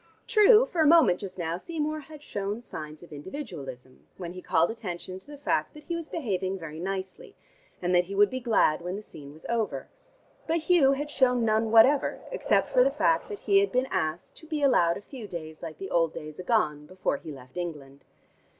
True, for a moment just now Seymour had shown signs of individualism when he called attention to the fact that he was behaving very nicely, and that he would be glad when the scene was over, but Hugh had shown none whatever, except for the fact that he had been asked to be allowed a few days like the old days agone before he left England.